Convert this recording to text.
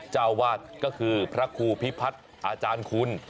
เจ้าวาดก็คือพระครูพิพัฒน์อาจารย์คุณ